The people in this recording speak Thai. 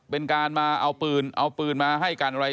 เป็นการมาเอาปืนเอาปืนมาให้กันอะไร